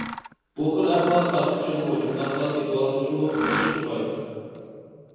بۇ خىل ئەھۋال ساتقۇچىغىمۇ شۇنداقلا سېتىۋالغۇچىمۇ ئوخشاشلا پايدىسىز.